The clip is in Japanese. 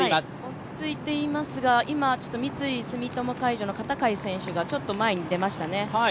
落ち着いていますが、今三井住友海上の片貝選手がちょっと前に出ましたね。